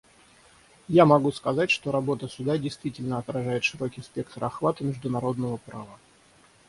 Я могу сказать, что работа Суда действительно отражает широкий спектр охвата международного права.